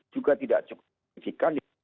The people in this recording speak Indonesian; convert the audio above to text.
juga tidak cukup